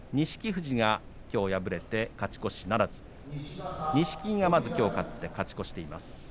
富士がきょう敗れて勝ち越しならず錦木が勝って勝ち越しています。